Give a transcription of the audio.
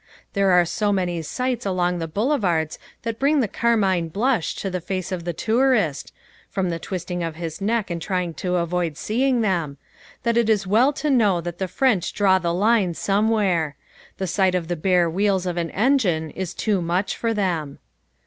There are so many sights along the boulevards that bring the carmine blush to the face of the tourist (from the twisting of his neck in trying to avoid seeing them), that it is well to know that the French draw the line somewhere. The sight of the bare wheels of an engine is too much for them.